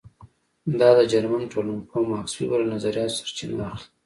دا د جرمن ټولنپوه ماکس وېبر له نظریاتو سرچینه اخلي.